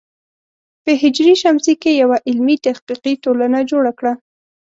په ه ش کې یوه علمي تحقیقي ټولنه جوړه کړه.